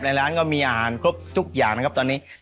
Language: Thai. ร้านก็มีอาหารครบทุกอย่างนะครับตอนนี้